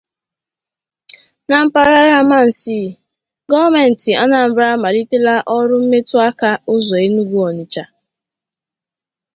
Na Mpaghara Amansea, Gọọmenti Anambra Amalitela Ọrụ Mmetụaka Ụzọ Enugu—Onitsha